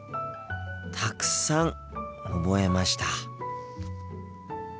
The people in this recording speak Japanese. たくさん覚えました。